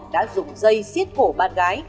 đã dùng dây xiết cổ bạn gái